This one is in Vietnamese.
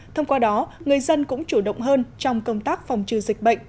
thông qua đó người dân cũng chủ động hơn trong công tác phòng trừ dịch bệnh